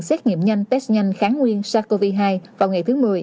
xét nghiệm nhanh test nhanh kháng nguyên sars cov hai vào ngày thứ một mươi